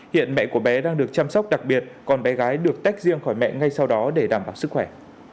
hiện mẹ của bé đang được chăm sóc đặc biệt còn bé gái được tách riêng khỏi mẹ ngay sau đó để đảm bảo sức khỏe